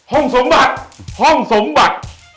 ห้องสมบัติห้องสมบัติ